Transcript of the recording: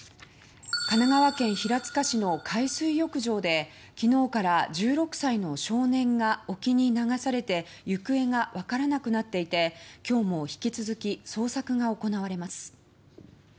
神奈川県平塚市の海水浴場で昨日から１６歳の少年が沖に流されて行方が分からなくなっていて今日も引き続き捜索が行われます。